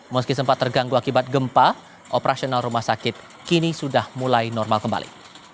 meski sempat terganggu akibat gempa operasional rumah sakit kini sudah mulai normal kembali